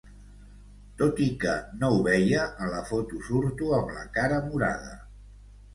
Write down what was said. Tot i que no ho veia, a la foto surto amb la cara morada.